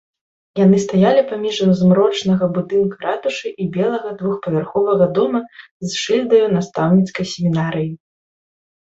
Яны стаялі паміж змрочнага будынка ратушы і белага двухпавярховага дома з шыльдаю настаўніцкай семінарыі.